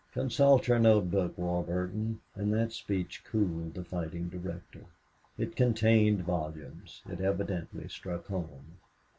Consult your note book, Warburton." And that speech cooled the fighting director. It contained volumes. It evidently struck home.